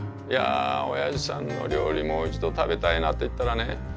「いやおやじさんの料理もう一度食べたいな」って言ったらね